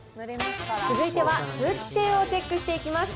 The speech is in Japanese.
続いては、通気性をチェックしていきます。